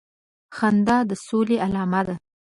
خندا د سولي علامه ده